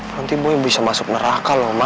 nanti boy bisa masuk neraka loh ma